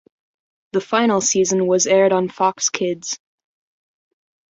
The final season was aired on Fox Kids.